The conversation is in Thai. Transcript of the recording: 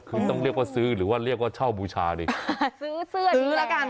คือต้องเรียกว่าซื้อหรือว่าเรียกว่าเช่าบูชาดีซื้อเสื้อนี้แล้วกัน